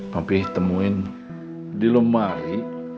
kamu temuin di lemari